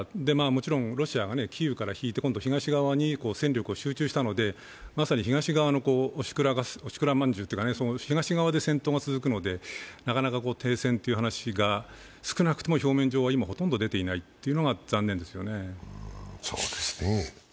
もちろんロシアがキーウから引いて今度東側に戦力を集中したのでまさに東側のおしくらまんじゅうというか、東側で戦闘が続くのでなかなか停戦という話が少なくとも表面上は今ほとんど出ていないというのが残念ですね。